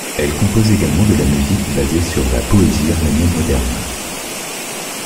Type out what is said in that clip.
Elle compose également de la musique basée sur la poésie arménienne moderne.